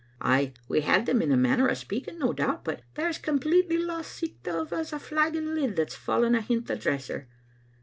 Ay, we had them in a manner o' speaking, no doubt, but they're as completely lost sicht o' as a flagon lid that's fallen ahint the dresser.